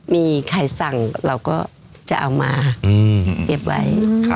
มีใครสั่งเราก็จะเอามาเก็บไว้